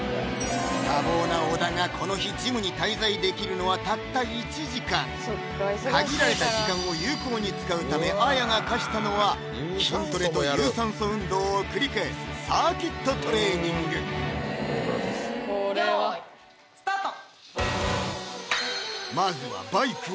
多忙な小田がこの日ジムに滞在できるのはたった１時間限られた時間を有効に使うためＡＹＡが課したのは筋トレと有酸素運動を繰り返すサーキットトレーニング用意スタート